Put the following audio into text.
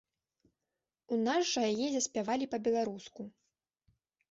У нас жа яе заспявалі па-беларуску.